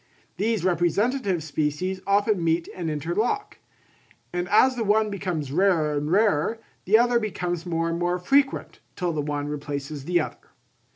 These representative species often meet and interlock; and as the one becomes rarer and rarer, the other becomes more and more frequent, till the one replaces the other.